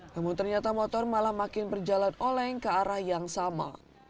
namun ternyata motor malah makin berjalan oleng ke arah yang sama